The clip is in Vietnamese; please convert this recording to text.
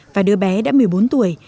và đứa bé đã một mươi bốn tuổi